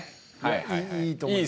いやいいと思います。